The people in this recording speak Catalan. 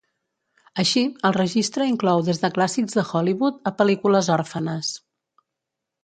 Així, el Registre inclou des de clàssics de Hollywood a pel·lícules òrfenes.